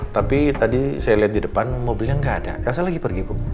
tapi tadi saya liat di depan mobilnya nggak ada elsa lagi pergi bu